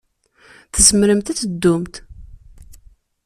Tzemremt ad teddumt.